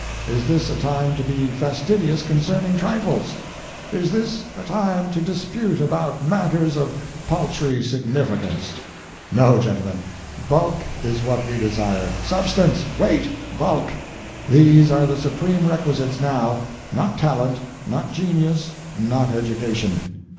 Is this a time to be fastidious concerning trifles? Is this a time to dispute about matters of paltry significance? No, gentlemen, bulk is what we desire substance, weight, bulk these are the supreme requisites now not talent, not genius, not education.